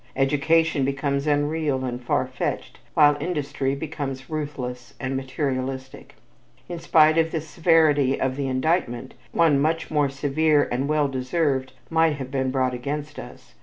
Education becomes unreal and far fetched, while industry becomes ruthless and materialistic. In spite of the severity of the indictment, one much more severe and well deserved might have been brought against us.